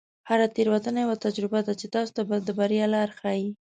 هره تیروتنه یوه تجربه ده چې تاسو ته د بریا لاره ښیي.